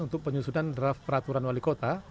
untuk penyusunan draft peraturan wali kota